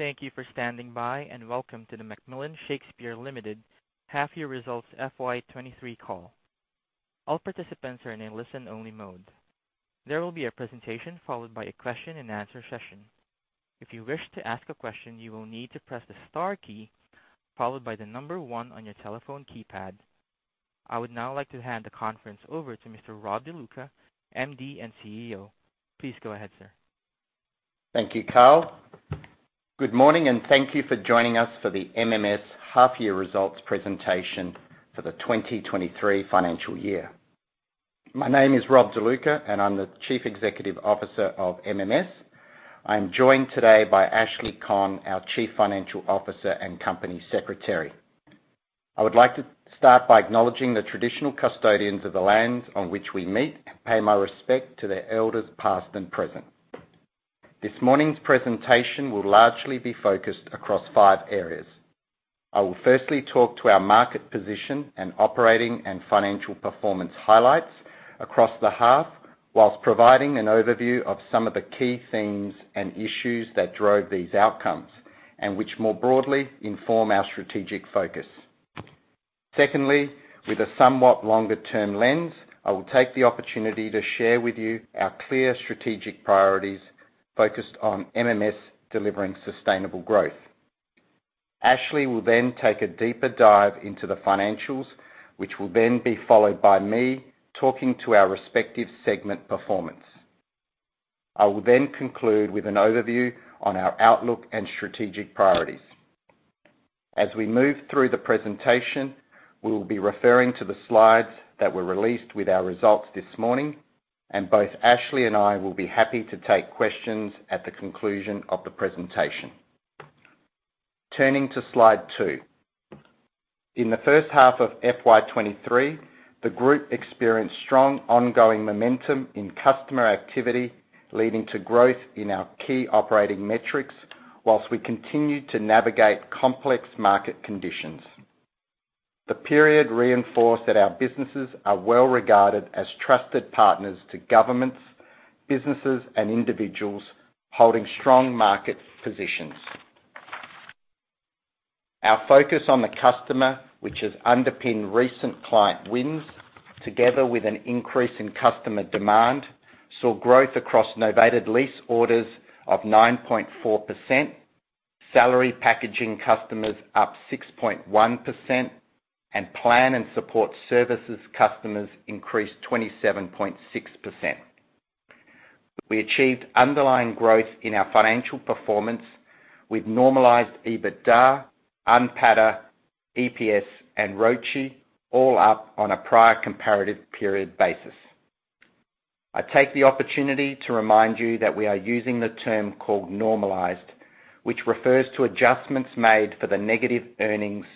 Thank you for standing by, and welcome to the McMillan Shakespeare Limited Half Year Results FY 2023 Call. All participants are in listen-only mode. There will be a presentation followed by a question and answer session. If you wish to ask a question, you will need to press the star key followed by the number one on your telephone keypad. I would now like to hand the conference over to Mr. Rob De Luca, MD and CEO. Please go ahead, sir. Thank you, Carl. Good morning. Thank you for joining us for the MMS half-year results presentation for the 2023 financial year. My name is Rob De Luca, and I'm the Chief Executive Officer of MMS. I'm joined today by Ashley Conn, our Chief Financial Officer and Company Secretary. I would like to start by acknowledging the traditional custodians of the lands on which we meet and pay my respect to their elders, past and present. This morning's presentation will largely be focused across five areas. I will firstly talk to our market position and operating and financial performance highlights across the half, whilst providing an overview of some of the key themes and issues that drove these outcomes and which more broadly inform our strategic focus. Secondly, with a somewhat longer-term lens, I will take the opportunity to share with you our clear strategic priorities focused on MMS delivering sustainable growth. Ashley will take a deeper dive into the financials, which will then be followed by me talking to our respective segment performance. I will conclude with an overview on our outlook and strategic priorities. As we move through the presentation, we will be referring to the slides that were released with our results this morning, and both Ashley and I will be happy to take questions at the conclusion of the presentation. Turning to slide two. In the H1 of FY 2023, the group experienced strong ongoing momentum in customer activity, leading to growth in our key operating metrics while we continued to navigate complex market conditions. The period reinforced that our businesses are well regarded as trusted partners to governments, businesses, and individuals holding strong market positions. Our focus on the customer, which has underpinned recent client wins, together with an increase in customer demand, saw growth across novated lease orders of 9.4%, salary packaging customers up 6.1%, and Plan and Support Services customers increased 27.6%. We achieved underlying growth in our financial performance with normalized EBITDA, NPATA, EPS, and ROCE all up on a prior comparative period basis. I take the opportunity to remind you that we are using the term called normalized, which refers to adjustments made for the negative earnings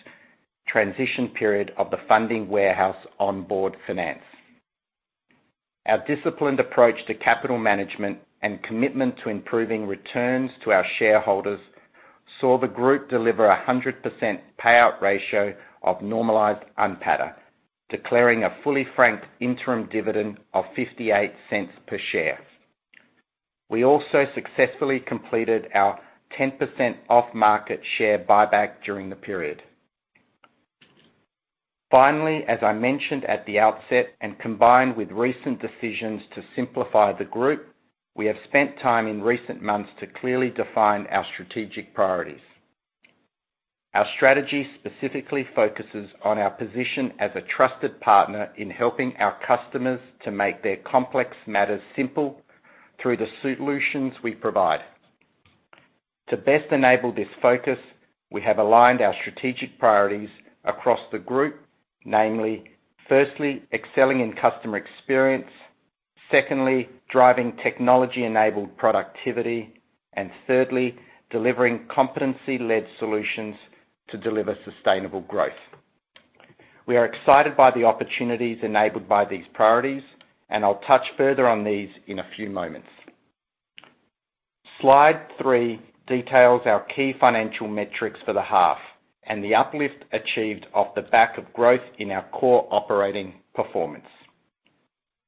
transition period of the funding warehouse Onboard Finance. Our disciplined approach to capital management and commitment to improving returns to our shareholders saw the group deliver a 100% payout ratio of normalized NPATA, declaring a fully franked interim dividend of 0.58 per share. We also successfully completed our 10% off-market share buyback during the period. As I mentioned at the outset and combined with recent decisions to simplify the group, we have spent time in recent months to clearly define our strategic priorities. Our strategy specifically focuses on our position as a trusted partner in helping our customers to make their complex matters simple through the solutions we provide. To best enable this focus, we have aligned our strategic priorities across the group, namely, firstly, excelling in customer experience. Secondly, driving technology-enabled productivity. Thirdly, delivering competency-led solutions to deliver sustainable growth. We are excited by the opportunities enabled by these priorities. I'll touch further on these in a few moments. Slide three details our key financial metrics for the half and the uplift achieved off the back of growth in our core operating performance.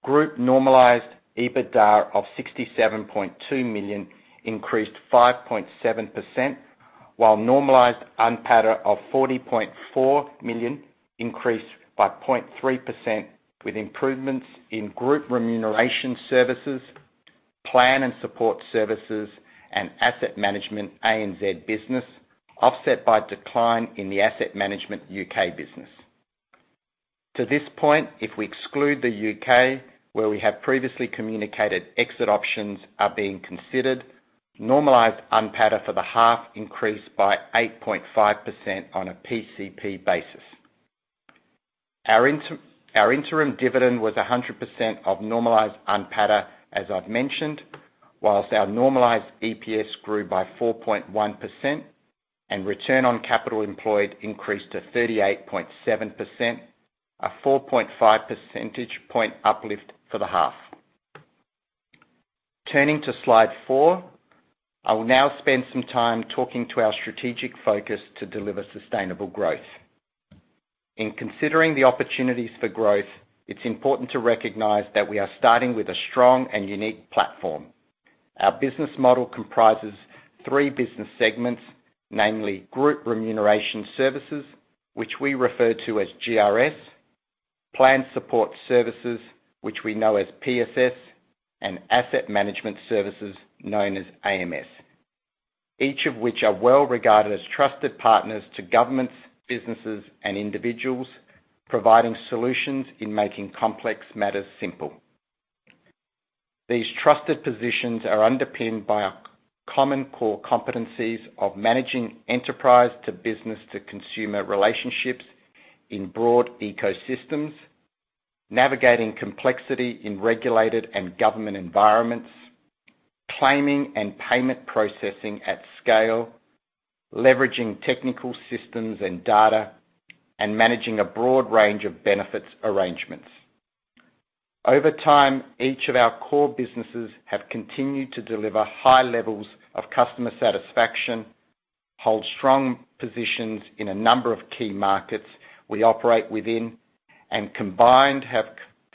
Group normalized EBITDA of 67.2 million increased 5.7%, while normalized NPATA of 40.4 million increased by 0.3% with improvements in Group Remuneration Services, Plan and Support Services, and Asset Management ANZ business, offset by decline in the Asset Management U.K. business. To this point, if we exclude the U.K., where we have previously communicated exit options are being considered, normalized NPATA for the half increased by 8.5% on a PCP basis. Our interim dividend was 100% of normalized NPATA, as I've mentioned, whilst our normalized EPS grew by 4.1% and return on capital employed increased to 38.7%, a 4.5 percentage point uplift for the half. Turning to slide four, I will now spend some time talking to our strategic focus to deliver sustainable growth. In considering the opportunities for growth, it's important to recognize that we are starting with a strong and unique platform. Our business model comprises 3 business segments, namely Group Remuneration Services, which we refer to as GRS, Plan Support Services, which we know as PSS, and Asset Management Services, known as AMS. Each of which are well-regarded as trusted partners to governments, businesses, and individuals, providing solutions in making complex matters simple. These trusted positions are underpinned by our common core competencies of managing enterprise to business to consumer relationships in broad ecosystems, navigating complexity in regulated and government environments, claiming and payment processing at scale, leveraging technical systems and data, and managing a broad range of benefits arrangements. Over time, each of our core businesses have continued to deliver high levels of customer satisfaction, hold strong positions in a number of key markets we operate within, and combined have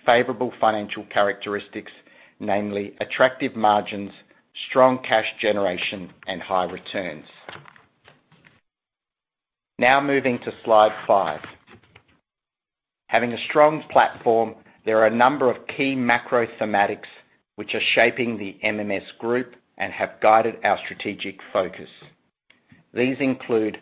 favorable financial characteristics, namely attractive margins, strong cash generation, and high returns. Moving to slide five. Having a strong platform, there are a number of key macro thematics which are shaping the MMS Group and have guided our strategic focus. These include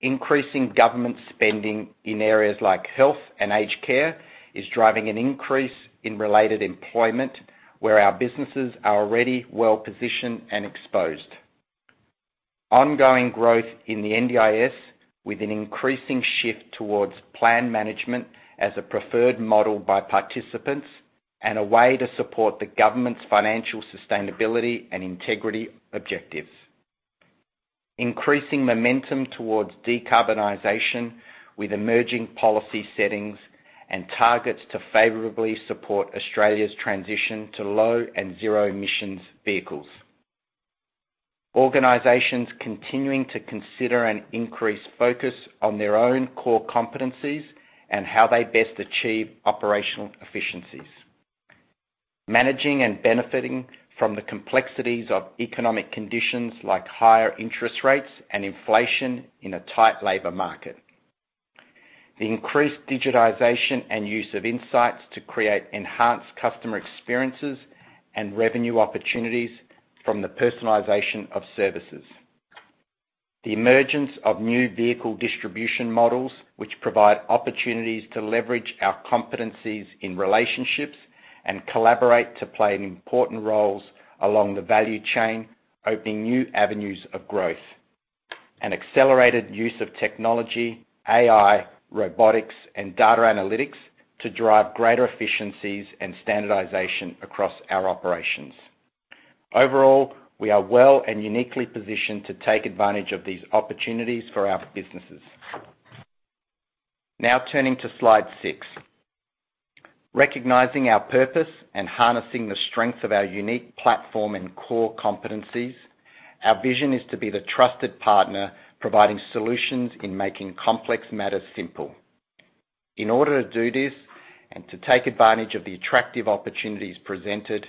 increasing government spending in areas like health and aged care, is driving an increase in related employment where our businesses are already well-positioned and exposed. Ongoing growth in the NDIS with an increasing shift towards plan management as a preferred model by participants and a way to support the Government's financial sustainability and integrity objectives. Increasing momentum towards decarbonization with emerging policy settings and targets to favorably support Australia's transition to low and zero emissions vehicles. Organizations continuing to consider an increased focus on their own core competencies and how they best achieve operational efficiencies. Managing and benefiting from the complexities of economic conditions like higher interest rates and inflation in a tight labor market. The increased digitization and use of insights to create enhanced customer experiences and revenue opportunities from the personalization of services. The emergence of new vehicle distribution models which provide opportunities to leverage our competencies in relationships and collaborate to play an important roles along the value chain, opening new avenues of growth. An accelerated use of technology, AI, robotics, and data analytics to drive greater efficiencies and standardization across our operations. Overall, we are well and uniquely positioned to take advantage of these opportunities for our businesses. Now turning to slide six. Recognizing our purpose and harnessing the strength of our unique platform and core competencies, our vision is to be the trusted partner providing solutions in making complex matters simple. In order to do this, and to take advantage of the attractive opportunities presented,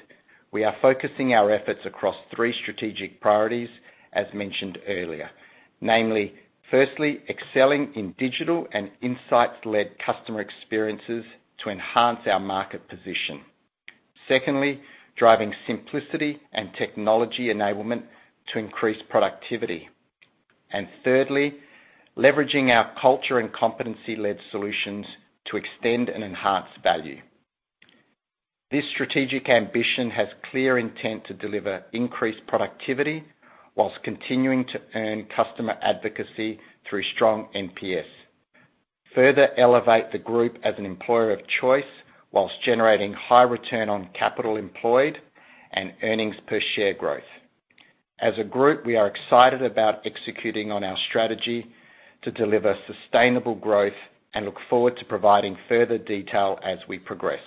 we are focusing our efforts across three strategic priorities, as mentioned earlier. Namely, firstly, excelling in digital and insights-led customer experiences to enhance our market position. Secondly, driving simplicity and technology enablement to increase productivity. And thirdly, leveraging our culture and competency-led solutions to extend and enhance value. This strategic ambition has clear intent to deliver increased productivity whilst continuing to earn customer advocacy through strong NPS. Further elevate the group as an employer of choice whilst generating high return on capital employed and earnings per share growth. As a group, we are excited about executing on our strategy to deliver sustainable growth and look forward to providing further detail as we progress.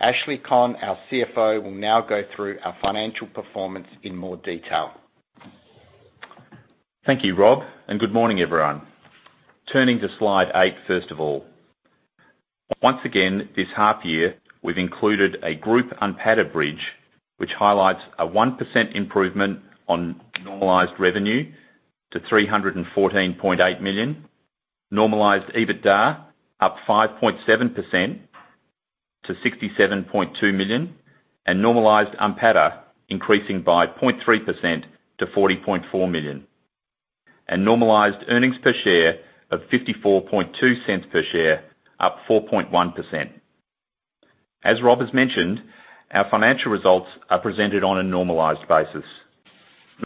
Ashley Conn, our CFO, will now go through our financial performance in more detail. Thank you, Rob. Good morning, everyone. Turning to slide eight, first of all. Once again, this half year, we've included a group UNPATA bridge, which highlights a 1% improvement on normalized revenue to 314.8 million, normalized EBITDA up 5.7% to 67.2 million, normalized UNPATA increasing by 0.3% to 40.4 million, and normalized earnings per share of 0.542 per share, up 4.1%. As Rob has mentioned, our financial results are presented on a normalized basis.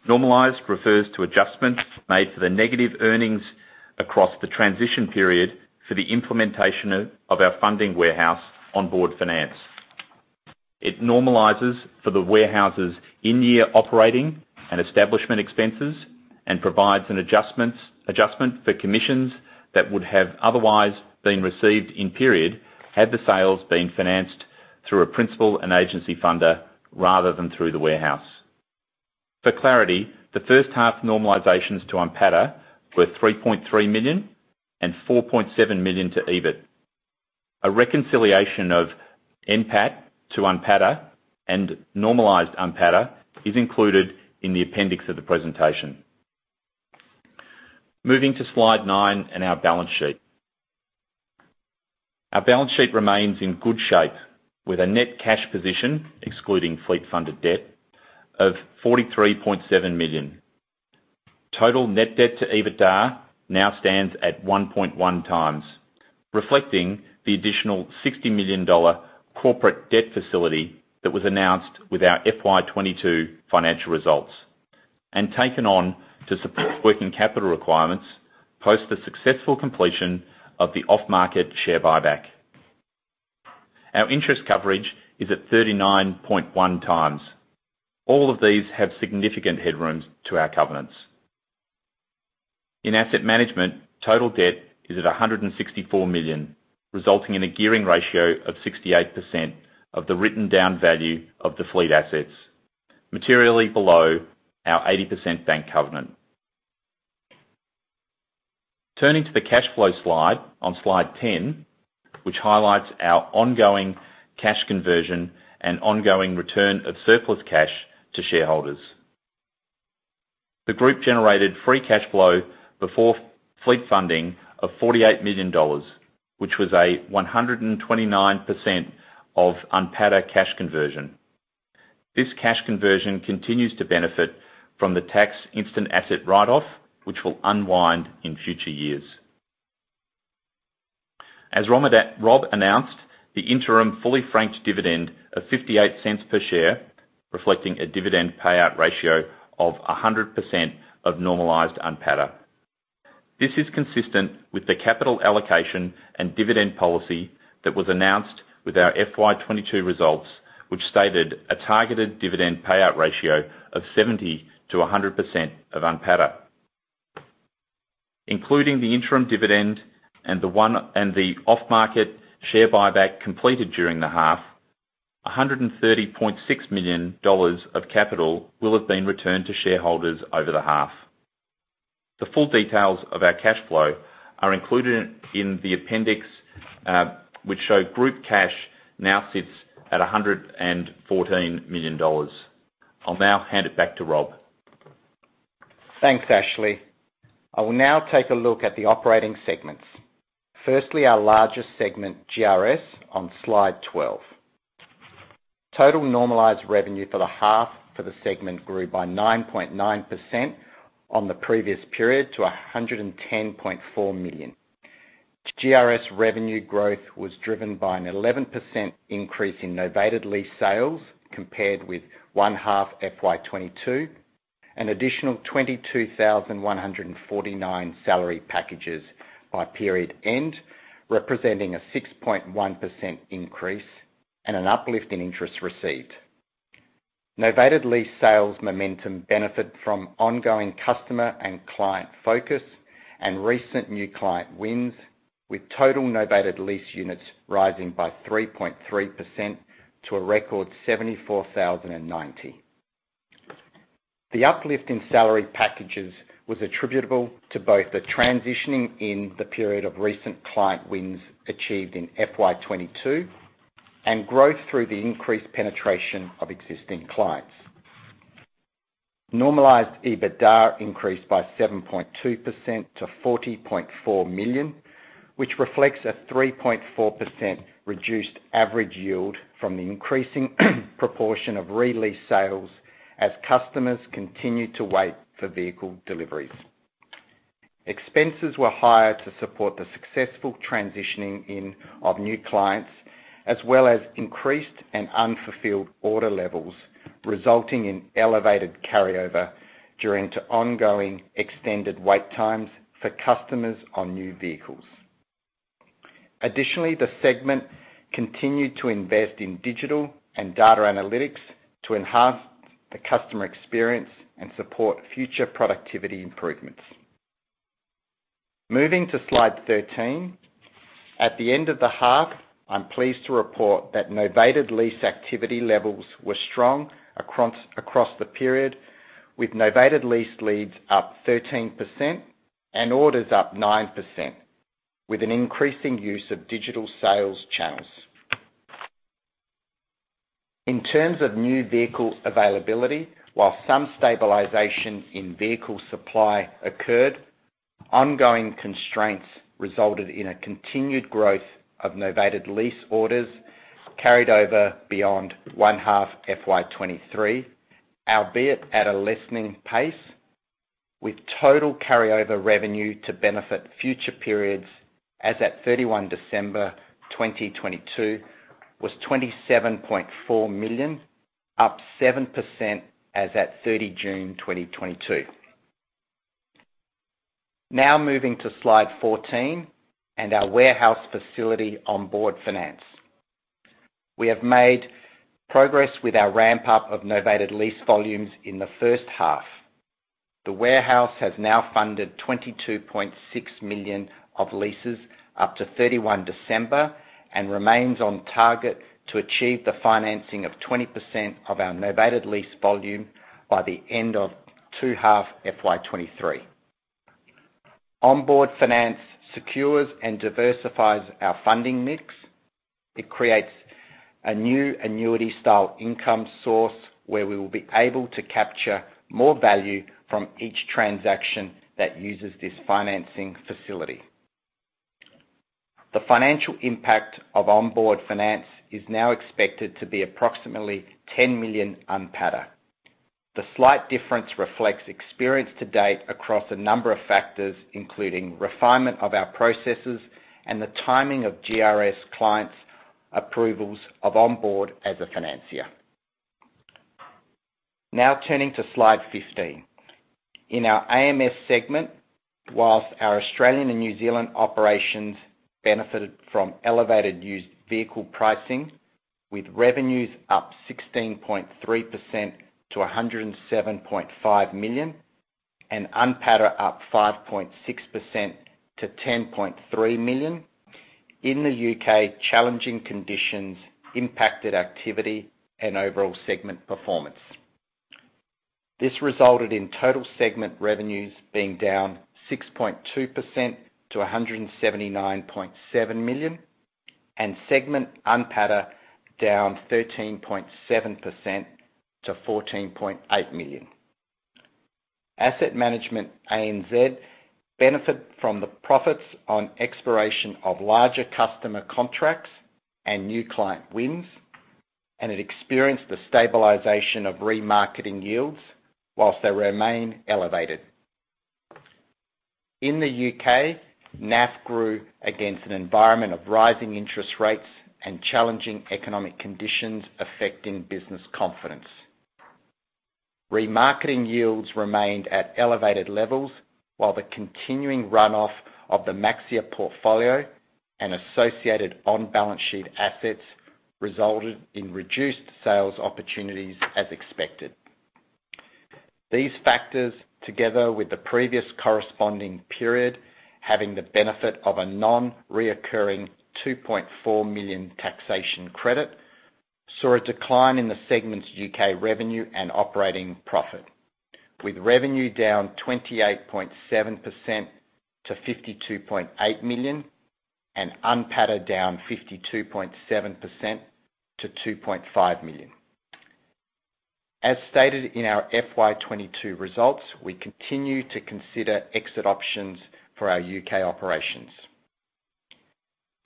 Normalized refers to adjustments made to the negative earnings across the transition period for the implementation of our funding warehouse Onboard Finance. It normalizes for the warehouse's in-year operating and establishment expenses and provides an adjustment for commissions that would have otherwise been received in period, had the sales been financed through a principal and agency funder rather than through the warehouse. For clarity, the H1 normalizations to NPATA were 3.3 million and 4.7 million to EBIT. A reconciliation of NPAT to NPATA and normalized NPATA is included in the appendix of the presentation. Moving to slide 9 and our balance sheet. Our balance sheet remains in good shape with a net cash position, excluding fleet-funded debt, of 43.7 million. Total net debt to EBITDA now stands at 1.1x, reflecting the additional $60 million corporate debt facility that was announced with our FY 2022 financial results and taken on to support working capital requirements post the successful completion of the off-market share buyback. Our interest coverage is at 39.1x. All of these have significant headroom to our covenants. In Asset Management, total debt is at $164 million, resulting in a gearing ratio of 68% of the written-down value of the fleet assets, materially below our 80% bank covenant. Turning to the cash flow slide on slide 10, which highlights our ongoing cash conversion and ongoing return of surplus cash to shareholders. The group generated free cash flow before fleet funding of $48 million, which was 129% of NPATA cash conversion. This cash conversion continues to benefit from the tax instant asset write-off, which will unwind in future years. As Rob announced, the interim fully franked dividend of 0.58 per share, reflecting a dividend payout ratio of 100% of normalized NPATA. This is consistent with the capital allocation and dividend policy that was announced with our FY 2022 results, which stated a targeted dividend payout ratio of 70%-100% of NPATA. Including the interim dividend and the off-market share buyback completed during the half, $130.6 million of capital will have been returned to shareholders over the half. The full details of our cash flow are included in the appendix, which show group cash now sits at $114 million. I'll now hand it back to Rob. Thanks, Ashley. I will now take a look at the operating segments. Firstly, our largest segment, GRS, on slide 12. Total normalized revenue for the half for the segment grew by 9.9% on the previous period to 110.4 million. GRS revenue growth was driven by an 11% increase in novated lease sales compared with one half FY 2022, an additional 22,149 salary packages by period end, representing a 6.1% increase and an uplift in interest received. Novated lease sales momentum benefited from ongoing customer and client focus and recent new client wins, with total novated lease units rising by 3.3% to a record 74,090. The uplift in salary packages was attributable to both the transitioning in the period of recent client wins achieved in FY 2022 and growth through the increased penetration of existing clients. Normalized EBITDA increased by 7.2% to 40.4 million, which reflects a 3.4% reduced average yield from the increasing proportion of re-lease sales as customers continued to wait for vehicle deliveries. Expenses were higher to support the successful transitioning of new clients, as well as increased and unfulfilled order levels, resulting in elevated carryover during to ongoing extended wait times for customers on new vehicles. Additionally, the segment continued to invest in digital and data analytics to enhance the customer experience and support future productivity improvements. Moving to slide 13, at the end of the half, I'm pleased to report that novated lease activity levels were strong across the period, with novated lease leads up 13% and orders up 9%, with an increasing use of digital sales channels. In terms of new vehicle availability, while some stabilization in vehicle supply occurred, ongoing constraints resulted in a continued growth of novated lease orders carried over beyond one half FY 2023, albeit at a lessening pace, with total carryover revenue to benefit future periods as at 31 December 2022 was 27.4 million, up 7% as at 30 June 2022. Now moving to slide 14 and our warehouse facility Onboard Finance. We have made progress with our ramp-up of novated lease volumes in the H1. The warehouse has now funded 22.6 million of leases up to 31 December, and remains on target to achieve the financing of 20% of our novated lease volume by the end of two half FY 2023. Onboard Finance secures and diversifies our funding mix. It creates a new annuity style income source, where we will be able to capture more value from each transaction that uses this financing facility. The financial impact of Onboard Finance is now expected to be approximately 10 million NPATA. The slight difference reflects experience to date across a number of factors, including refinement of our processes and the timing of GRS clients approvals of Onboard as a financier. Turning to slide 15. In our AMS segment, whilst our Australian and New Zealand operations benefited from elevated used vehicle pricing, with revenues up 16.3% to 107.5 million, and NPATA up 5.6% to 10.3 million, in the U.K. challenging conditions impacted activity and overall segment performance. This resulted in total segment revenues being down 6.2% to 179.7 million, and segment NPATA down 13.7% to AUD 14.8 million. Asset Management, ANZ, benefit from the profits on expiration of larger customer contracts and new client wins, and it experienced the stabilization of remarketing yields whilst they remain elevated. In the U.K., NAF grew against an environment of rising interest rates and challenging economic conditions affecting business confidence. Remarketing yields remained at elevated levels while the continuing runoff of the Maxxia portfolio and associated on-balance sheet assets resulted in reduced sales opportunities as expected. These factors, together with the previous corresponding period, having the benefit of a non-recurring 2.4 million taxation credit, saw a decline in the segment's U.K. revenue and operating profit, with revenue down 28.7% to 52.8 million and NPATA down 52.7% to 2.5 million. As stated in our FY 2022 results, we continue to consider exit options for our U.K. operations.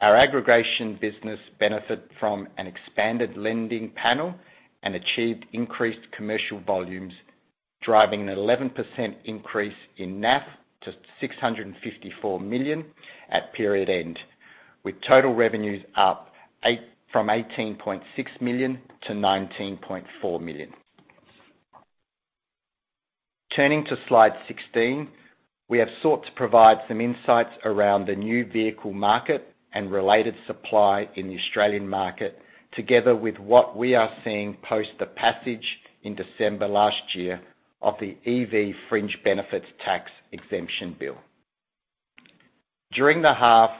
Our aggregation business benefit from an expanded lending panel and achieved increased commercial volumes, driving an 11% increase in NAF to 654 million at period end, with total revenues up from 18.6 million to 19.4 million. Turning to slide 16, we have sought to provide some insights around the new vehicle market and related supply in the Australian market, together with what we are seeing post the passage in December last year of the EV Fringe Benefits Tax Exemption bill. During the half,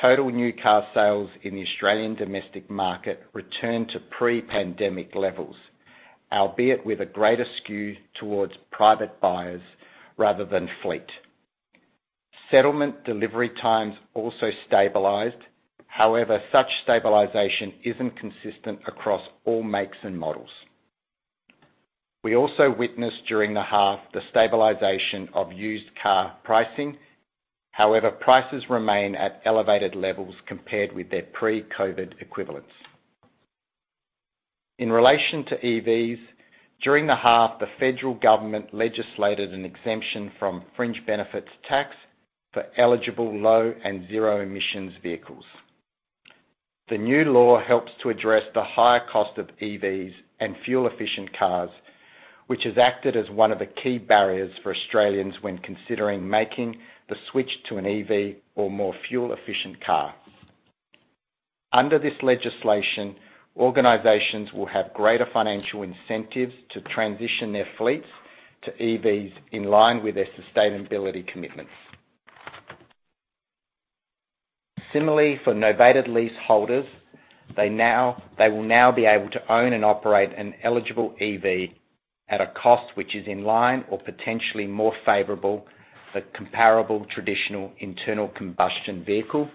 total new car sales in the Australian domestic market returned to pre-pandemic levels, albeit with a greater skew towards private buyers rather than fleet. Settlement delivery times also stabilized. Such stabilization isn't consistent across all makes and models. We also witnessed during the half the stabilization of used car pricing. Prices remain at elevated levels compared with their pre-COVID equivalents. In relation to EVs, during the half, the federal government legislated an exemption from Fringe Benefits Tax for eligible low and zero emissions vehicles. The new law helps to address the higher cost of EVs and fuel efficient cars, which has acted as one of the key barriers for Australians when considering making the switch to an EV or more fuel efficient car. Under this legislation, organizations will have greater financial incentives to transition their fleets to EVs in line with their sustainability commitments. Similarly for novated lease holders, they will now be able to own and operate an eligible EV at a cost which is in line or potentially more favorable for comparable traditional internal combustion vehicle.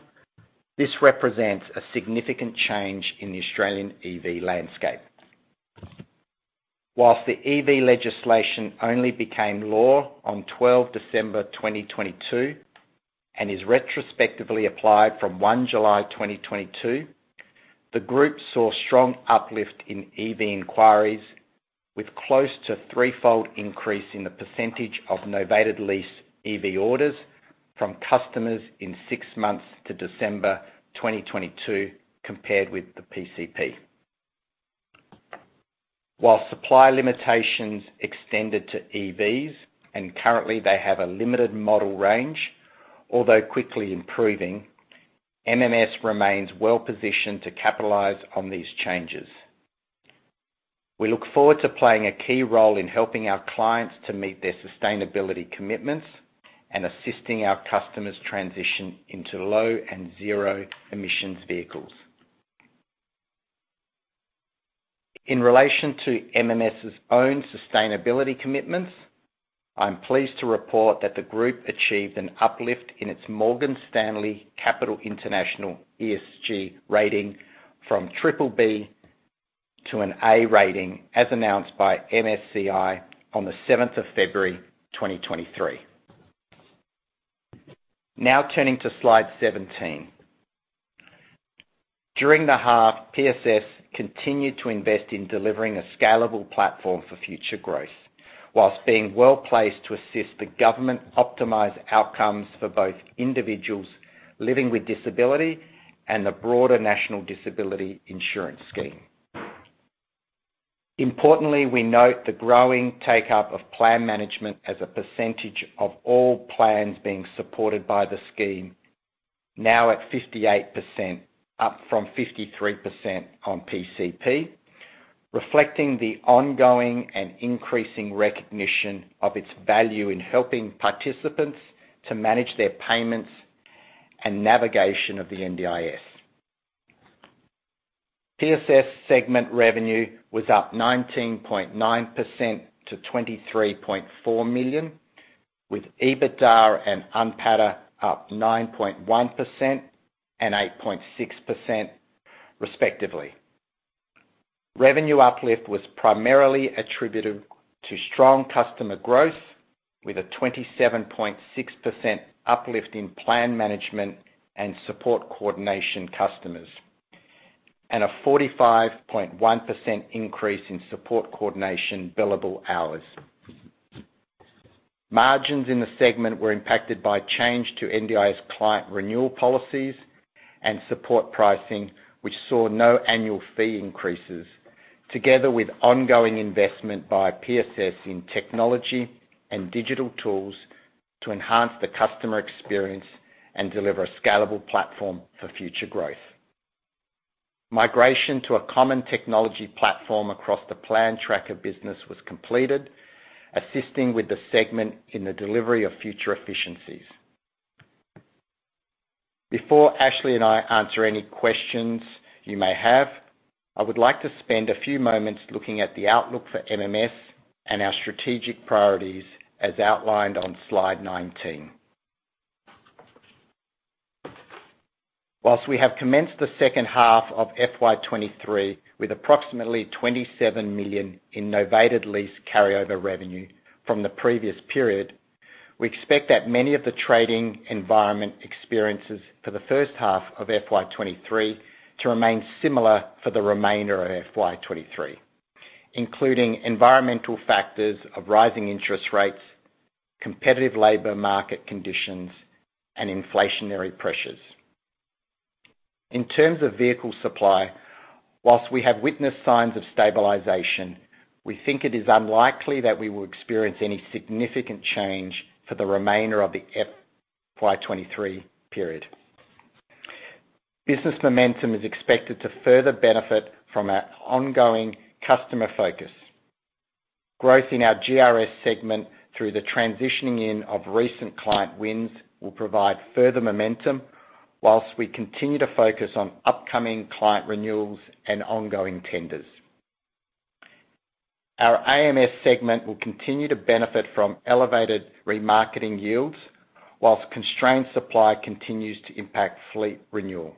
This represents a significant change in the Australian EV landscape. While the EV legislation only became law on 12 December 2022 and is retrospectively applied from 1 July 2022, the group saw strong uplift in EV inquiries, with close to threefold increase in the percentage of novated lease EV orders from customers in six months to December 2022 compared with the PCP. While supply limitations extended to EVs, and currently they have a limited model range, although quickly improving, MMS remains well positioned to capitalize on these changes. We look forward to playing a key role in helping our clients to meet their sustainability commitments and assisting our customers transition into low and zero emissions vehicles. In relation to MMS' own sustainability commitments, I'm pleased to report that the group achieved an uplift in its Morgan Stanley Capital International ESG rating from BBB to an A rating, as announced by MSCI on 7 February 2023. Turning to slide 17. During the half, PSS continued to invest in delivering a scalable platform for future growth, whilst being well-placed to assist the government optimize outcomes for both individuals living with disability and the broader National Disability Insurance Scheme. Importantly, we note the growing take-up of plan management as a percentage of all plans being supported by the scheme, now at 58%, up from 53% on PCP, reflecting the ongoing and increasing recognition of its value in helping participants to manage their payments and navigation of the NDIS. PSS segment revenue was up 19.9% to 23.4 million, with EBITDA and NPATA up 9.1% and 8.6% respectively. Revenue uplift was primarily attributed to strong customer growth, with a 27.6% uplift in plan management and support coordination customers, and a 45.1% increase in support coordination billable hours. Margins in the segment were impacted by change to NDIS client renewal policies and support pricing, which saw no annual fee increases, together with ongoing investment by PSS in technology and digital tools to enhance the customer experience and deliver a scalable platform for future growth. Migration to a common technology platform across the Plan Tracker business was completed, assisting with the segment in the delivery of future efficiencies. Before Ashley and I answer any questions you may have, I would like to spend a few moments looking at the outlook for MMS and our strategic priorities as outlined on slide 19. Whilst we have commenced the H2 of FY 2023 with approximately 27 million in novated lease carryover revenue from the previous period, we expect that many of the trading environment experiences for the H1 of FY 2023 to remain similar for the remainder of FY 2023, including environmental factors of rising interest rates, competitive labor market conditions, and inflationary pressures. In terms of vehicle supply, whilst we have witnessed signs of stabilization, we think it is unlikely that we will experience any significant change for the remainder of the FY 2023 period. Business momentum is expected to further benefit from our ongoing customer focus. Growth in our GRS segment through the transitioning in of recent client wins will provide further momentum whilst we continue to focus on upcoming client renewals and ongoing tenders. Our AMS segment will continue to benefit from elevated remarketing yields while constrained supply continues to impact fleet renewal.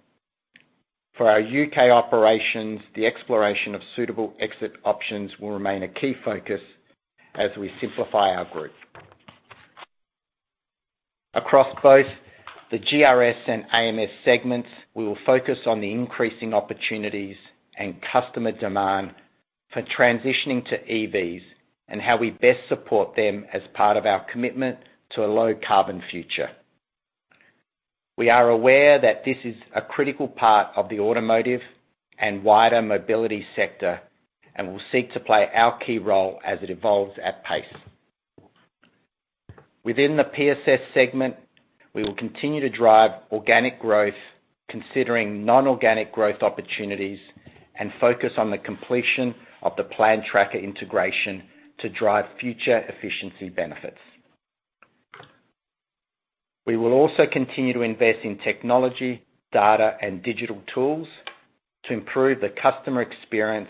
For our U.K. operations, the exploration of suitable exit options will remain a key focus as we simplify our group. Across both the GRS and AMS segments, we will focus on the increasing opportunities and customer demand for transitioning to EVs and how we best support them as part of our commitment to a low carbon future. We are aware that this is a critical part of the automotive and wider mobility sector, and we'll seek to play our key role as it evolves at pace. Within the PSS segment, we will continue to drive organic growth considering non-organic growth opportunities and focus on the completion of the Plan Tracker integration to drive future efficiency benefits. We will also continue to invest in technology, data, and digital tools to improve the customer experience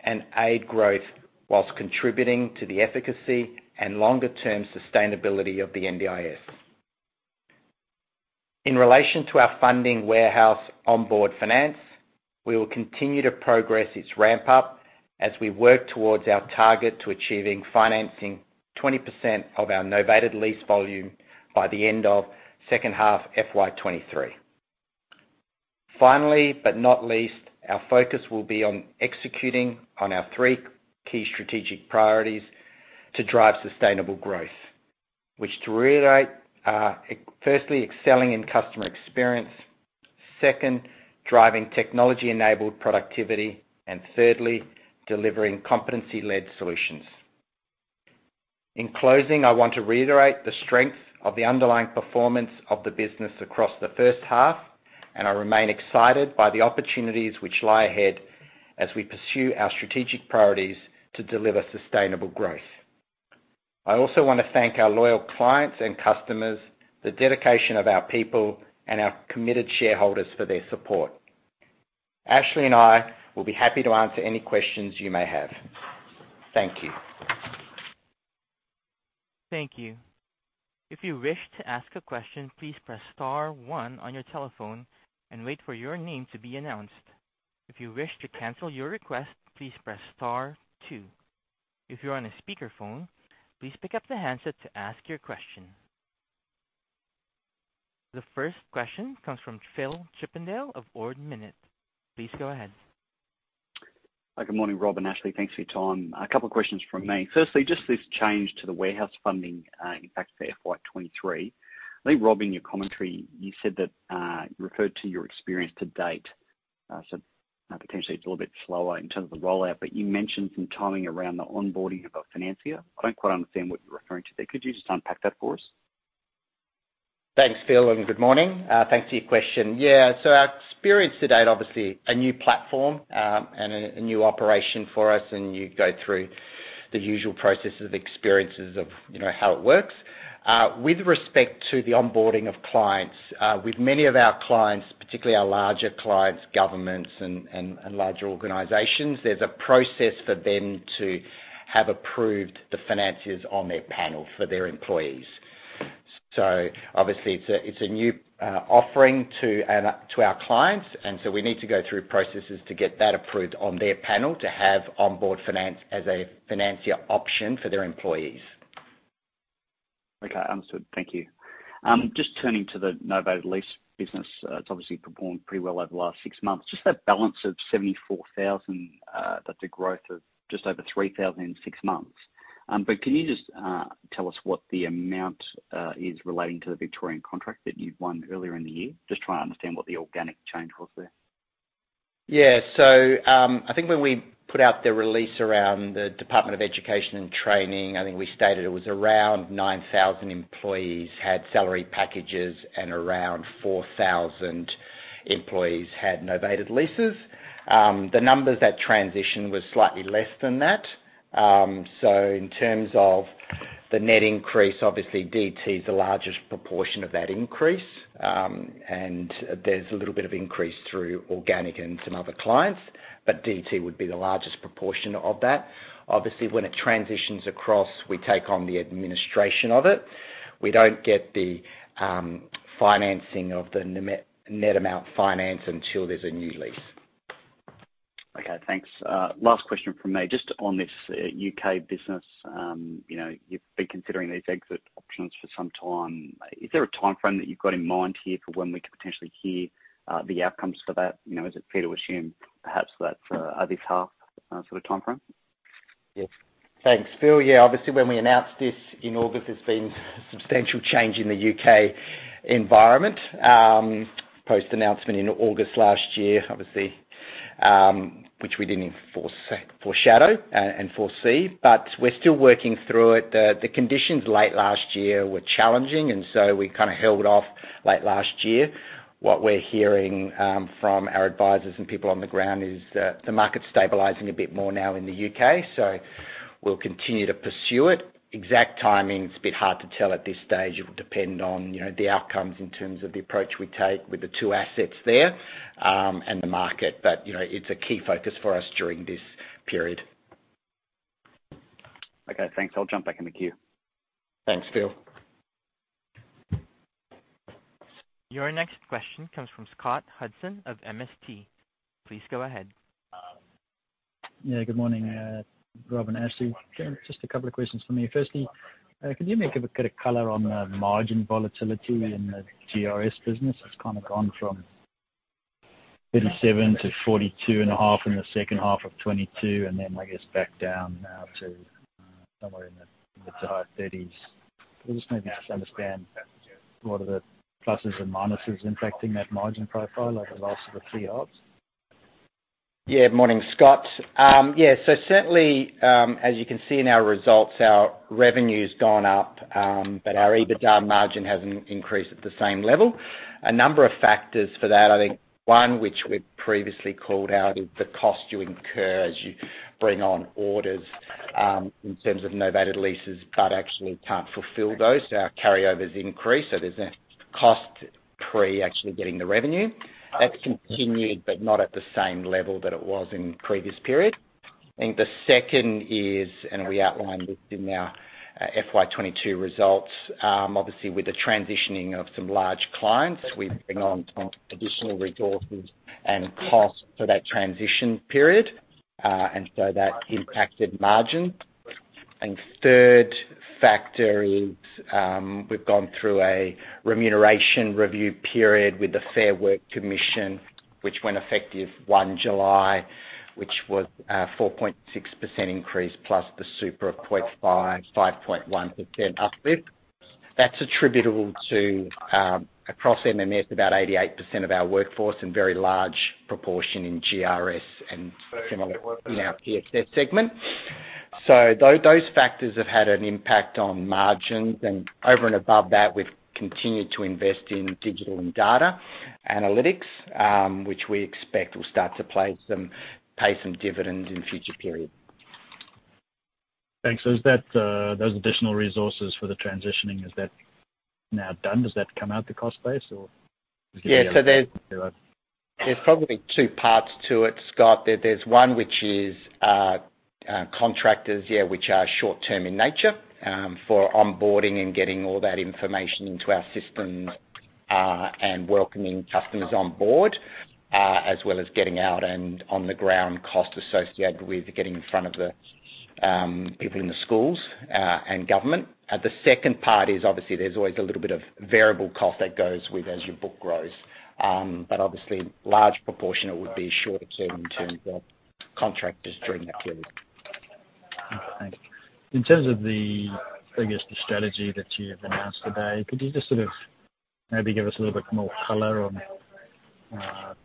and aid growth while contributing to the efficacy and longer-term sustainability of the NDIS. In relation to our funding warehouse Onboard Finance, we will continue to progress its ramp up as we work towards our target to achieving financing 20% of our novated lease volume by the end of H2 FY 2023. Finally, but not least, our focus will be on executing on our three key strategic priorities to drive sustainable growth, which to reiterate are, firstly, excelling in customer experience, second, driving technology-enabled productivity, and thirdly, delivering competency-led solutions. In closing, I want to reiterate the strength of the underlying performance of the business across the H1, and I remain excited by the opportunities which lie ahead as we pursue our strategic priorities to deliver sustainable growth. I also wanna thank our loyal clients and customers, the dedication of our people, and our committed shareholders for their support. Ashley and I will be happy to answer any questions you may have. Thank you. Thank you. If you wish to ask a question, please press star one on your telephone and wait for your name to be announced. If you wish to cancel your request, please press star two. If you're on a speakerphone, please pick up the handset to ask your question. The first question comes from Phil Chippindale of Ord Minnett. Please go ahead. Hi, good morning, Rob and Ashley. Thanks for your time. A couple of questions from me. Firstly, just this change to the warehouse funding, impact to FY 2023. I think, Rob, in your commentary, you said that, you referred to your experience to date. Potentially it's a little bit slower in terms of the rollout, but you mentioned some timing around the onboarding of a financier. I don't quite understand what you're referring to there. Could you just unpack that for us? Thanks, Phil, and good morning. Thanks for your question. Yeah. Our experience to date, obviously, a new platform, and a new operation for us, and you go through the usual processes, experiences of, you know, how it works. With respect to the onboarding of clients, with many of our clients, particularly our larger clients, governments and larger organizations, there's a process for them to have approved the financiers on their panel for their employees. Obviously, it's a new offering to our clients, and so we need to go through processes to get that approved on their panel to have Onboard Finance as a financier option for their employees. Okay. Understood. Thank you. Just turning to the novated lease business. It's obviously performed pretty well over the last six months. Just that balance of 74,000, that's a growth of just over 3,000 in six months. Can you just tell us what the amount is relating to the Victorian contract that you'd won earlier in the year? Just trying to understand what the organic change was there. Yeah. I think when we put out the release around the Department of Education and Training, I think we stated it was around 9,000 employees had salary packages and around 4,000 employees had novated leases. The numbers that transitioned was slightly less than that. In terms of the net increase, obviously DT is the largest proportion of that increase, and there's a little bit of increase through organic and some other clients, but DT would be the largest proportion of that. Obviously, when it transitions across, we take on the administration of it. We don't get the financing of the net amount finance until there's a new lease. Okay. Thanks. Last question from me. Just on this U.K. business, you know, you've been considering these exit options for some time. Is there a timeframe that you've got in mind here for when we could potentially hear the outcomes for that? You know, is it fair to assume perhaps that's this half sort of timeframe? Yes. Thanks, Phil. Yeah. Obviously, when we announced this in August, there's been substantial change in the U.K. environment, post-announcement in August last year, obviously, which we didn't foreshadow and foresee, but we're still working through it. The conditions late last year were challenging. We kinda held off late last year. What we're hearing from our advisors and people on the ground is that the market's stabilizing a bit more now in the U.K., so we'll continue to pursue it. Exact timing, it's a bit hard to tell at this stage. It will depend on, you know, the outcomes in terms of the approach we take with the two assets there and the market. You know, it's a key focus for us during this period. Okay. Thanks. I'll jump back in the queue. Thanks, Phil. Your next question comes from Scott Hudson of MST. Please go ahead. Good morning, Rob and Ashley. Just a couple of questions from me. Firstly, could you maybe put a color on the margin volatility in the GRS business? It's kind of gone from 37% to 42.5% in the H2 of 2022, and then I guess back down now to somewhere in the 30s. I maybe understand what are the pluses and minuses impacting that margin profile over the last three years. Morning, Scott. Certainly, as you can see in our results, our revenue's gone up, but our EBITDA margin hasn't increased at the same level. A number of factors for that. I think one, which we've previously called out, is the cost you incur as you bring on orders, in terms of novated leases but actually can't fulfill those, our carryovers increase. There's a cost pre actually getting the revenue. That's continued, but not at the same level that it was in previous periods. I think the second is, we outlined this in our FY 2022 results, obviously, with the transitioning of some large clients, we've taken on additional resources and costs for that transition period, that impacted margin. Third factor is, we've gone through a remuneration review period with the Fair Work Commission, which went effective July 1, which was a 4.6% increase plus the super of 0.5.1% uplift. That's attributable to, across MMS, about 88% of our workforce and very large proportion in GRS and similar in our PSS segment. Those factors have had an impact on margins. Over and above that, we've continued to invest in digital and data analytics, which we expect will start to pay some dividends in future periods. Thanks. Is that, those additional resources for the transitioning, is that now done? Does that come out the cost base or- There's probably two parts to it, Scott. There's one which is contractors, yeah, which are short-term in nature, for onboarding and getting all that information into our systems, and welcoming customers on board, as well as getting out and on the ground costs associated with getting in front of the people in the schools and government. The second part is obviously there's always a little bit of variable cost that goes with as your book grows. Obviously large proportion, it would be short-term in terms of contractors during that period. Okay, thanks. In terms of the, I guess, the strategy that you have announced today, could you just sort of maybe give us a little bit more color on, I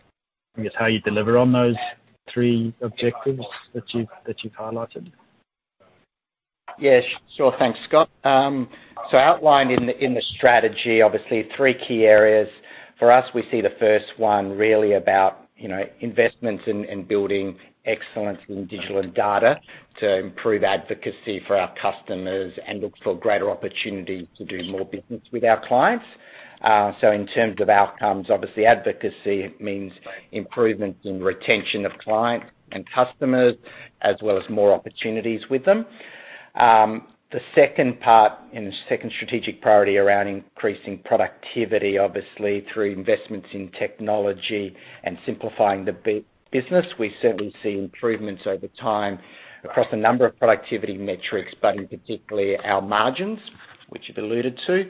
guess, how you deliver on those three objectives that you've highlighted? Yeah. Sure. Thanks, Scott. Outlined in the strategy, obviously three key areas. For us, we see the first one really about, you know, investments in building excellence in digital and data to improve advocacy for our customers and look for greater opportunities to do more business with our clients. In terms of outcomes, obviously advocacy means improvements in retention of clients and customers as well as more opportunities with them. The second part and the second strategic priority around increasing productivity, obviously through investments in technology and simplifying the business. We certainly see improvements over time across a number of productivity metrics, but in particular our margins, which you've alluded to.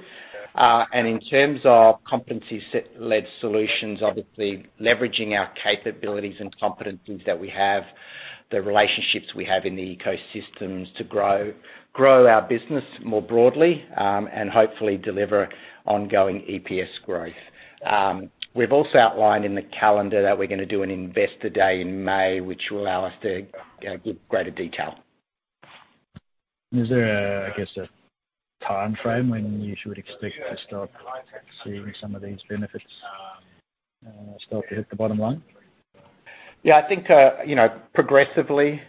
In terms of competency set-led solutions, obviously leveraging our capabilities and competencies that we have, the relationships we have in the ecosystems to grow our business more broadly, and hopefully deliver ongoing EPS growth. We've also outlined in the calendar that we're gonna do an investor day in May, which will allow us to give greater detail. Is there a, I guess, a timeframe when you should expect to start seeing some of these benefits start to hit the bottom line? Yeah, I think, you know, progressively,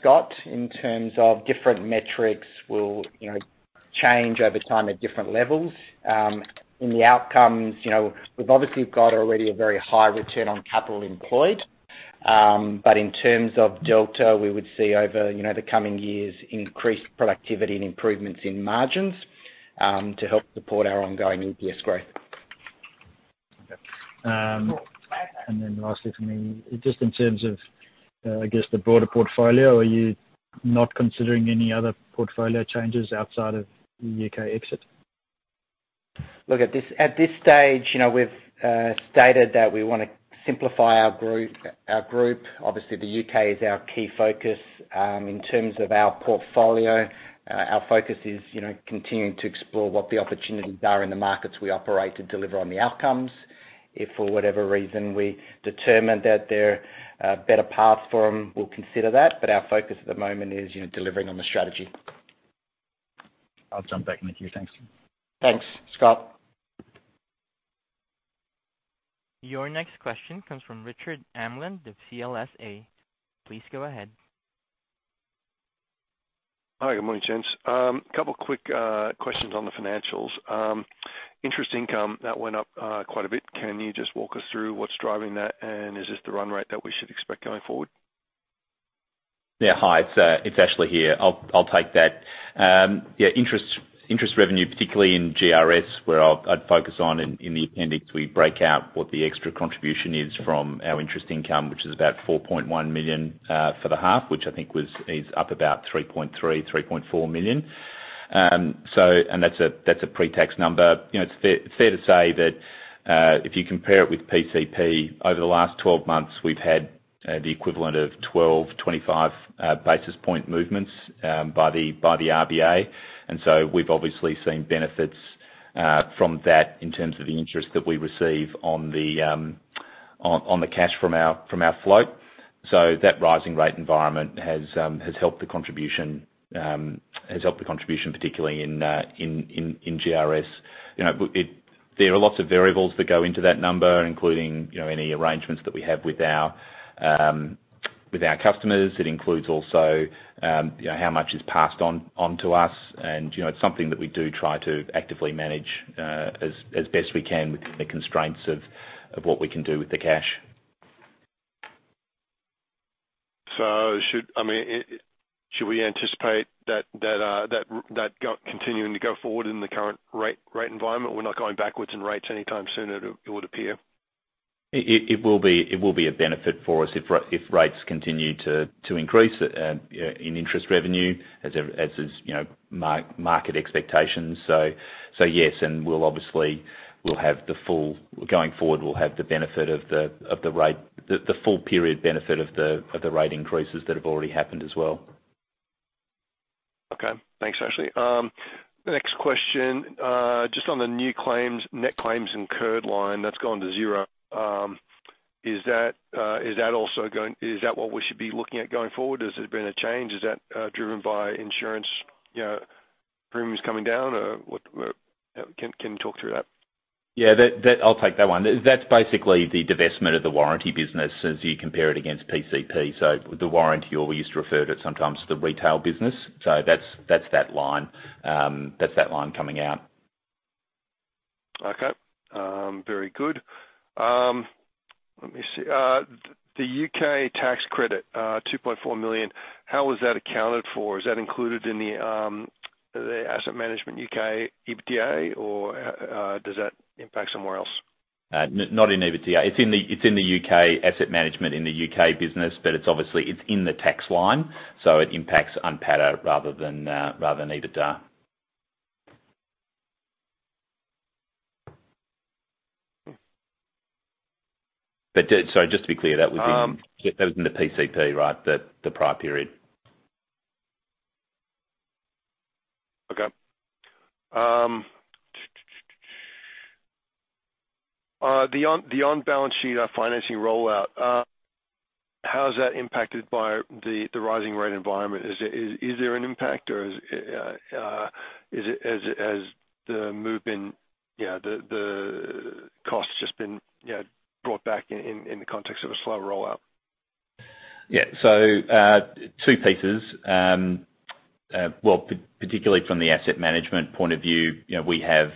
Scott, in terms of different metrics will, you know, change over time at different levels. In the outcomes, you know, we've obviously got already a very high return on capital employed. In terms of delta, we would see over, you know, the coming years increased productivity and improvements in margins, to help support our ongoing EPS growth. Okay. Lastly from me, just in terms of, I guess, the broader portfolio, are you not considering any other portfolio changes outside of the U.K. exit? Look, at this stage, you know, we've stated that we wanna simplify our group. Obviously, the U.K. is our key focus. In terms of our portfolio, our focus is, you know, continuing to explore what the opportunities are in the markets we operate to deliver on the outcomes. If for whatever reason we determine that there are better paths for them, we'll consider that, but our focus at the moment is, you know, delivering on the strategy. I'll jump back in the queue. Thanks. Thanks, Scott. Your next question comes from Richard Amland of CLSA. Please go ahead. Hi, good morning, gents. A couple of quick questions on the financials. Interest income, that went up quite a bit. Can you just walk us through what's driving that? Is this the run rate that we should expect going forward? Hi, it's Ashley here. I'll take that. interest revenue, particularly in GRS, where I'd focus on in the appendix, we break out what the extra contribution is from our interest income, which is about 4.1 million for the half, which I think was, is up about 3.3 million-3.4 million. That's a pre-tax number. You know, it's fair to say that if you compare it with PCP, over the last 12 months, we've had the equivalent of 12-25 basis point movements by the RBA. We've obviously seen benefits from that in terms of the interest that we receive on the cash from our float. That rising rate environment has helped the contribution, particularly in GRS. You know, there are lots of variables that go into that number, including, you know, any arrangements that we have with our customers. It includes also, you know, how much is passed on to us. You know, it's something that we do try to actively manage as best we can with the constraints of what we can do with the cash. I mean, should we anticipate that continuing to go forward in the current rate environment? We're not going backwards in rates anytime soon, it would appear. It will be a benefit for us if rates continue to increase in interest revenue as is, you know, market expectations. So yes, and we'll obviously going forward, we'll have the benefit of the rate, the full period benefit of the rate increases that have already happened as well. Okay. Thanks, Ashley. Next question. Just on the new claims, net claims incurred line that's gone to zero. Is that what we should be looking at going forward? Has there been a change? Is that driven by insurance, you know, premiums coming down? Or what, can you talk through that? That I'll take that one. That's basically the divestment of the warranty business as you compare it against PCP. The warranty, or we used to refer to it sometimes, the retail business. That's that line. That's that line coming out. Okay. Very good. Let me see. The U.K. tax credit, 2.4 million, how was that accounted for? Is that included in the asset management U.K. EBITDA? Does that impact somewhere else? Not in EBITDA. It's in the U.K. Asset Management in the U.K. business, it's obviously, it's in the tax line, so it impacts UNPATA rather than EBITDA. Sorry, just to be clear, that was. Um- That was in the PCP, right? The prior period. Okay. The on-balance sheet, our financing rollout, how's that impacted by the rising rate environment? Is there an impact or is the move been, you know, the cost just been, you know, brought back in the context of a slow rollout? So, two pieces. Well, particularly from the Asset Management point of view, you know, we have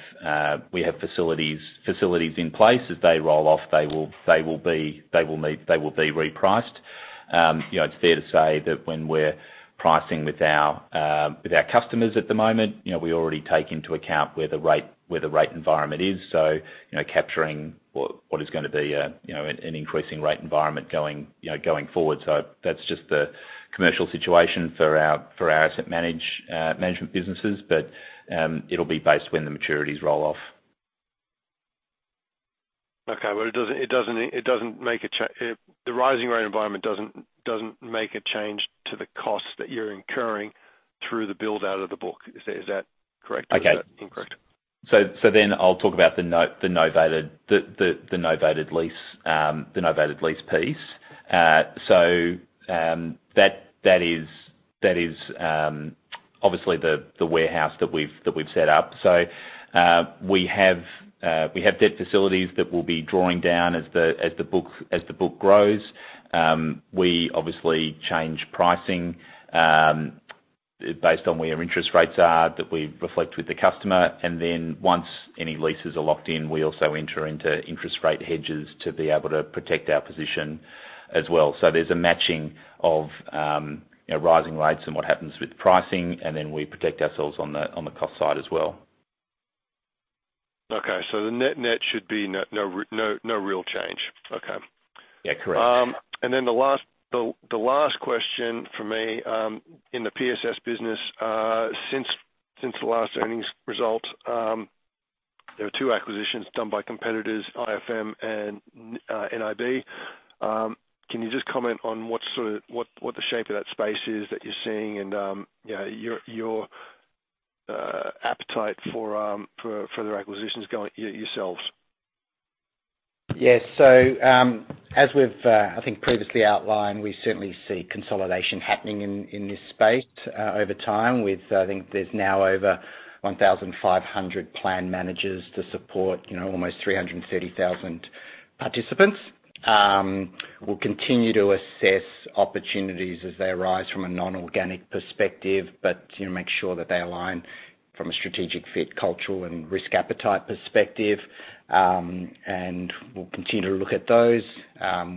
facilities in place. As they roll off, they will be repriced. You know, it's fair to say that when we're pricing with our customers at the moment, you know, we already take into account where the rate environment is. Capturing what is gonna be, you know, an increasing rate environment going, you know, going forward. That's just the commercial situation for our Asset Management businesses. It'll be based when the maturities roll off. Okay. Well, the rising rate environment doesn't make a change to the cost that you're incurring through the build-out of the book. Is that correct? Okay. Is that incorrect? I'll talk about the novated lease, the novated lease piece. That is obviously the warehouse that we've set up. We have debt facilities that we'll be drawing down as the book grows. We obviously change pricing based on where interest rates are that we reflect with the customer. Once any leases are locked in, we also enter into interest rate hedges to be able to protect our position as well. There's a matching of, you know, rising rates and what happens with pricing, we protect ourselves on the cost side as well. Okay. The net-net should be no real change. Okay. Yeah, correct. Then the last question from me, in the PSS business, since the last earnings result, there were two acquisitions done by competitors, IFM and nib. Can you just comment on what sort of what the shape of that space is that you're seeing and, you know, your appetite for the acquisitions going yourselves? Yes. As we've, I think previously outlined, we certainly see consolidation happening in this space, over time, with I think there's now over 1,500 plan managers to support, you know, almost 330,000 participants. We'll continue to assess opportunities as they arise from a non-organic perspective, but, you know, make sure that they align from a strategic fit, cultural, and risk appetite perspective. We'll continue to look at those.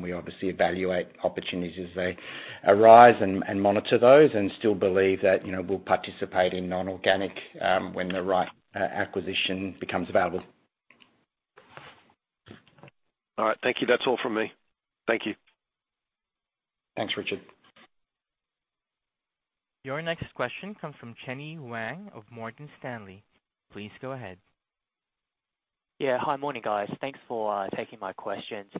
We obviously evaluate opportunities as they arise and monitor those and still believe that, you know, we'll participate in non-organic, when the right acquisition becomes available. All right. Thank you. That's all from me. Thank you. Thanks, Richard. Your next question comes from Chenny Wang of Morgan Stanley. Please go ahead. Yeah. Hi. Morning, guys. Thanks for taking my questions.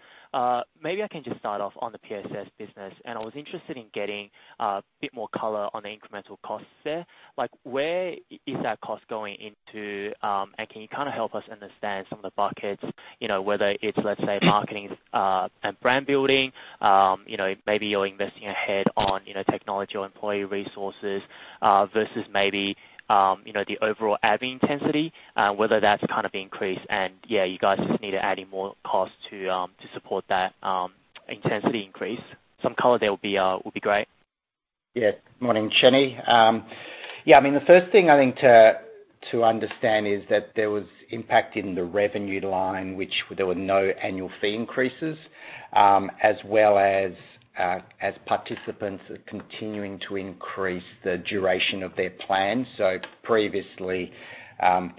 Maybe I can just start off on the PSS business, and I was interested in getting a bit more color on the incremental costs there. Like, where is that cost going into, and can you kind of help us understand some of the buckets? You know, whether it's, let's say, marketing, and brand building, you know, maybe you're investing ahead on, you know, technology or employee resources, versus maybe, you know, the overall ad intensity, whether that's kind of increased and yeah, you guys just need to add in more cost to support that intensity increase. Some color there would be great. Morning, Chenny. I mean, the first thing I think to understand is that there was impact in the revenue line, which there were no annual fee increases, as well as participants are continuing to increase the duration of their plans. Previously,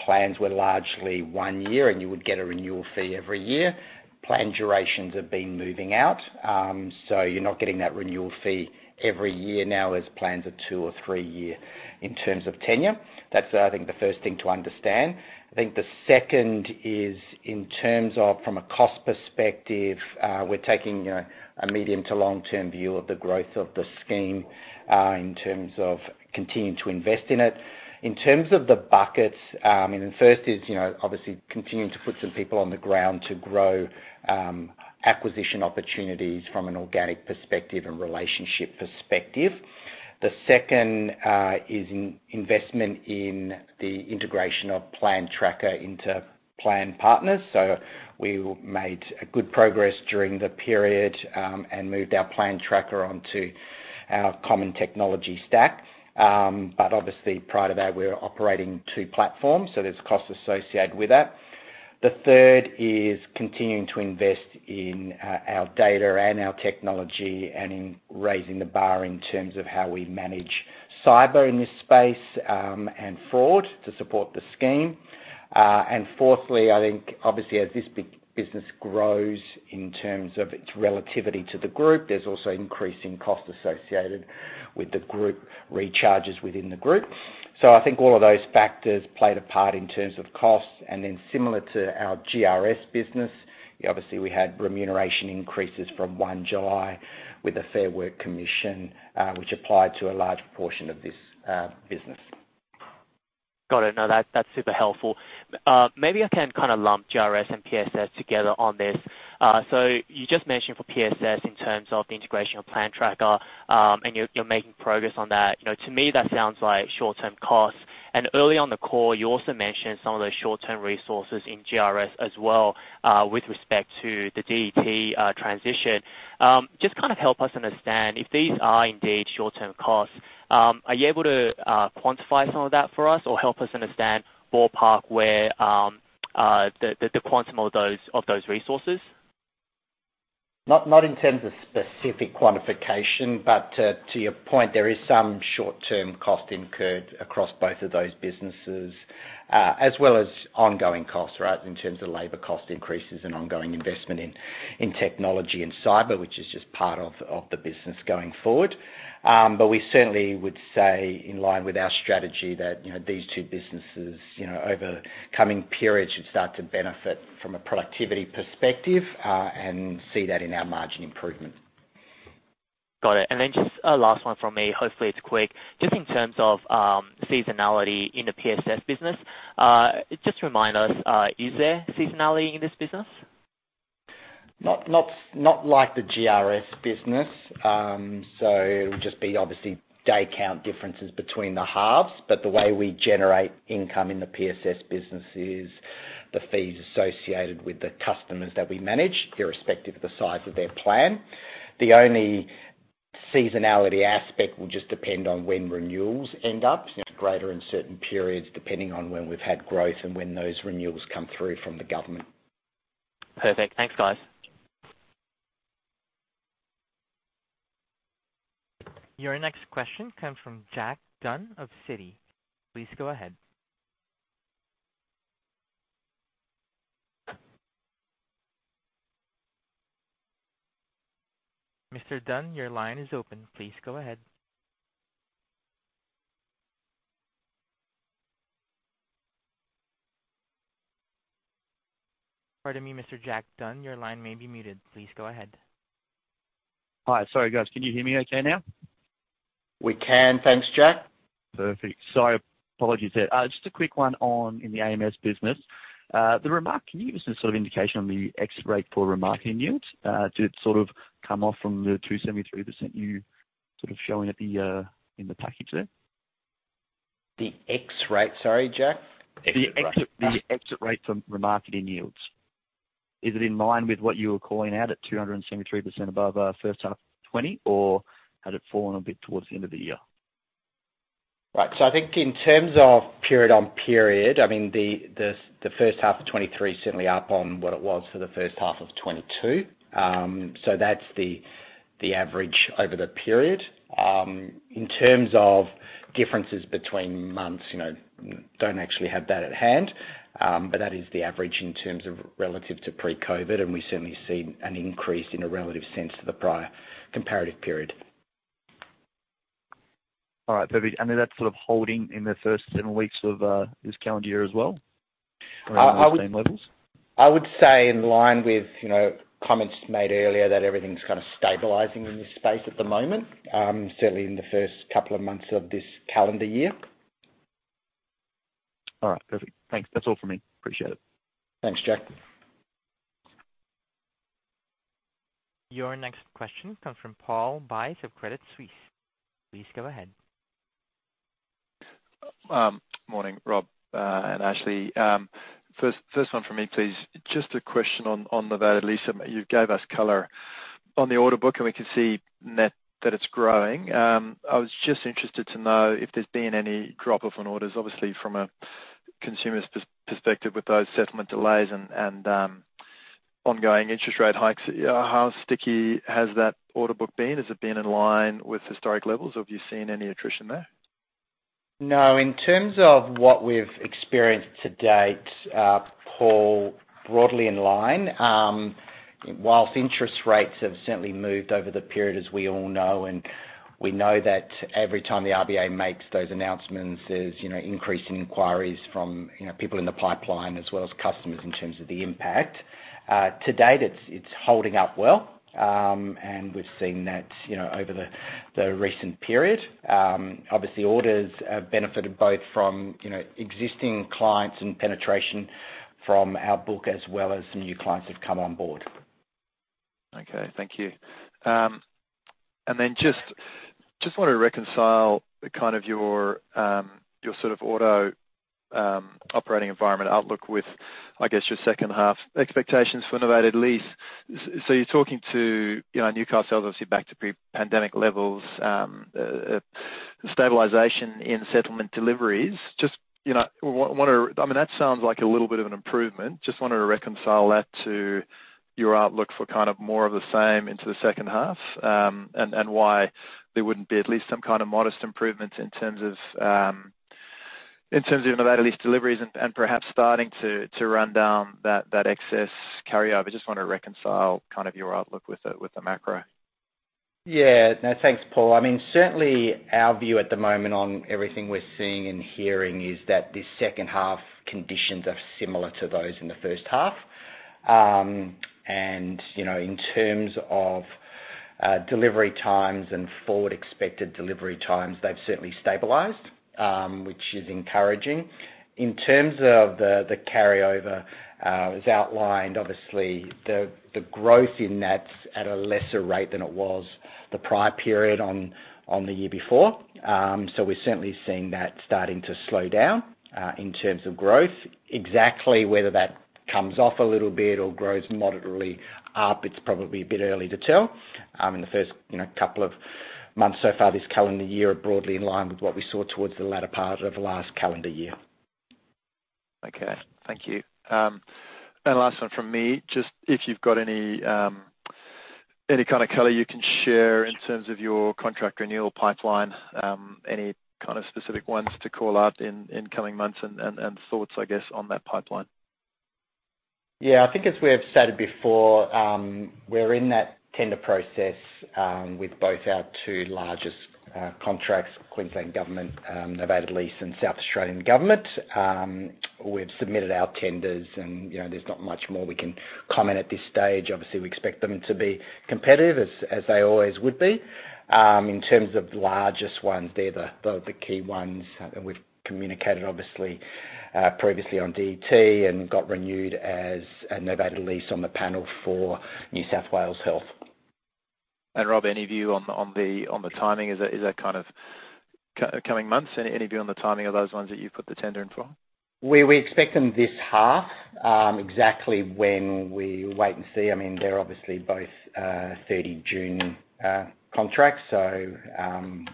plans were largely one year, and you would get a renewal fee every year. Plan durations have been moving out. You're not getting that renewal fee every year now as plans are two or three year in terms of tenure. That's, I think, the first thing to understand. I think the second is in terms of from a cost perspective, we're taking a medium to long-term view of the growth of the scheme, in terms of continuing to invest in it. In terms of the buckets, first is, you know, obviously continuing to put some people on the ground to grow, acquisition opportunities from an organic perspective and relationship perspective. The second is in-investment in the integration of Plan Tracker into Plan Partners. We made a good progress during the period, and moved our Plan Tracker onto our common technology stack. Obviously prior to that, we were operating two platforms, so there's costs associated with that. The third is continuing to invest in our data and our technology, and in raising the bar in terms of how we manage cyber in this space, and fraud to support the scheme. Fourthly, I think obviously as this big business grows in terms of its relativity to the group, there's also increasing costs associated with the group recharges within the group. I think all of those factors played a part in terms of costs. Similar to our GRS business, obviously, we had remuneration increases from 1 July with the Fair Work Commission, which applied to a large portion of this business. Got it. No, that's super helpful. Maybe I can kinda lump GRS and PSS together on this. You just mentioned for PSS in terms of the integration of Plan Tracker, and you're making progress on that. You know, to me that sounds like short-term costs. Early on the call, you also mentioned some of those short-term resources in GRS as well, with respect to the DT transition. Just kind of help us understand if these are indeed short-term costs, are you able to quantify some of that for us or help us understand ballpark where the quantum of those, of those resources? Not in terms of specific quantification, but to your point, there is some short-term cost incurred across both of those businesses, as well as ongoing costs, right, in terms of labor cost increases and ongoing investment in technology and cyber, which is just part of the business going forward. We certainly would say in line with our strategy that, you know, these two businesses, you know, over coming periods should start to benefit from a productivity perspective, and see that in our margin improvement. Got it. Just a last one from me, hopefully it's quick. Just in terms of seasonality in the PSS business, just remind us, is there seasonality in this business? Not like the GRS business. It would just be obviously day count differences between the halves. The way we generate income in the PSS business is the fees associated with the customers that we manage, irrespective of the size of their plan. The only seasonality aspect will just depend on when renewals end up. It's greater in certain periods, depending on when we've had growth and when those renewals come through from the government. Perfect. Thanks, guys. Your next question comes from Jack Dunn of Citi. Please go ahead. Mr. Dunn, your line is open. Please go ahead. Pardon me, Mr. Jack Dunn, your line may be muted. Please go ahead. Hi. Sorry, guys, can you hear me okay now? We can. Thanks, Jack. Perfect. Sorry. Apologies there. Just a quick one on in the AMS business. Can you give us a sort of indication on the exit rate for remarketing yields? Did it sort of come off from the 273% you sort of showing at the in the package there? The X rate. Sorry, Jack. The exit rate from remarketing yields. Is it in line with what you were calling out at 273% above, H1 2020, or had it fallen a bit towards the end of the year? Right. I think in terms of period on period, I mean, the H1 of 2023 is certainly up on what it was for the H1 of 2022. That's the average over the period. In terms of differences between months, you know, don't actually have that at hand. That is the average in terms of relative to pre-COVID, and we've certainly seen an increase in a relative sense to the prior comparative period. All right. Perfect. Then that's sort of holding in the first seven weeks of this calendar year as well around those same levels? I would say in line with, you know, comments made earlier that everything's kind of stabilizing in this space at the moment, certainly in the first couple of months of this calendar year. All right. Perfect. Thanks. That's all for me. Appreciate it. Thanks, Jack. Your next question comes from Paul Buys of Credit Suisse. Please go ahead. Morning, Rob and Ashley. First one from me, please. Just a question on the Val-Alisa. You gave us color on the order book, and we can see net that it's growing. I was just interested to know if there's been any drop-off on orders, obviously from a consumer's perspective with those settlement delays and ongoing interest rate hikes. How sticky has that order book been? Has it been in line with historic levels, or have you seen any attrition there? No, in terms of what we've experienced to date, Paul, broadly in line. Whilst interest rates have certainly moved over the period, as we all know, and we know that every time the RBA makes those announcements, there's, you know, increasing inquiries from, you know, people in the pipeline as well as customers in terms of the impact. To date, it's holding up well, and we've seen that, you know, over the recent period. Obviously orders have benefited both from, you know, existing clients and penetration from our book as well as new clients that come on board. Okay. Thank you. Just want to reconcile the kind of your sort of auto operating environment outlook with, I guess, your H2 expectations for novated lease. You're talking to, you know, Newcastle, obviously back to pre-pandemic levels. Stabilization in settlement deliveries. Just, you know, want to. I mean, that sounds like a little bit of an improvement. Just wanted to reconcile that to your outlook for kind of more of the same into the H2, and why there wouldn't be at least some kind of modest improvements in terms of novated lease deliveries and perhaps starting to run down that excess carryover. Just want to reconcile kind of your outlook with the macro. Yeah. No, thanks, Paul. I mean certainly our view at the moment on everything we're seeing and hearing is that this H2 conditions are similar to those in the H1. You know, in terms of delivery times and forward expected delivery times, they've certainly stabilized, which is encouraging. In terms of the carryover, as outlined, obviously the growth in that's at a lesser rate than it was the prior period on the year before. We're certainly seeing that starting to slow down in terms of growth. Exactly whether that comes off a little bit or grows moderately up, it's probably a bit early to tell. In the first, you know, couple of months so far, this calendar year are broadly in line with what we saw towards the latter part of last calendar year. Okay. Thank you. Last one from me, just if you've got any kind of color you can share in terms of your contract renewal pipeline, any kind of specific ones to call out in coming months and thoughts, I guess, on that pipeline. Yeah, I think as we have stated before, we're in that tender process with both our two largest contracts, Queensland Government novated lease and South Australian Government. We've submitted our tenders and, you know, there's not much more we can comment at this stage. Obviously, we expect them to be competitive as they always would be. In terms of largest ones, they're the key ones, and we've communicated obviously previously on DT and got renewed as a novated lease on the panel for New South Wales Health. Rob, any view on the timing? Is that kind of coming months? Any view on the timing of those ones that you've put the tender in for? We expect them this half. Exactly when we wait and see. I mean, they're obviously both 30 June contracts, so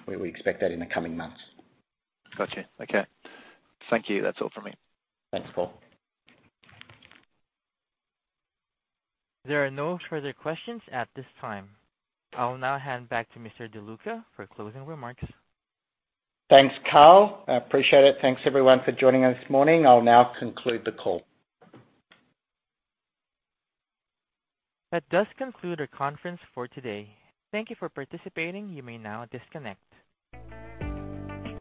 we expect that in the coming months. Got you. Okay. Thank you. That's all for me. Thanks, Paul. There are no further questions at this time. I'll now hand back to Mr. De Luca for closing remarks. Thanks, Carl. I appreciate it. Thanks everyone for joining us this morning. I'll now conclude the call. That does conclude our conference for today. Thank you for participating. You may now disconnect.